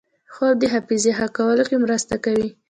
خوب د حافظې ښه کولو کې مرسته کوي